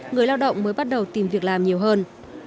người lao động mới bắt đầu tìm việc làm nhiều hơn